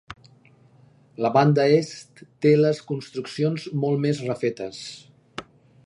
La banda est té les construccions molt més refetes.